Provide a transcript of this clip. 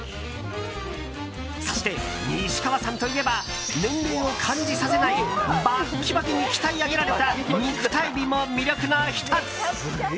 そして、西川さんといえば年齢を感じさせないバッキバキに鍛え上げられた肉体美も魅力の１つ。